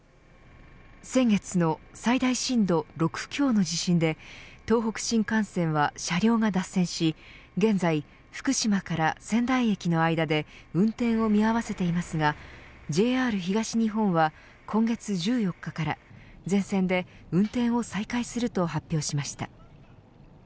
先月の最大震度６強の地震で東北新幹線は車両が脱線し現在、福島から仙台駅の間で運転を見合わせていますがＪＲ東日本は今月１４日から全線で運転を再開すると発表しました。